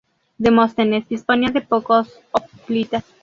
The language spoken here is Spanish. Demóstenes disponía de pocos hoplitas.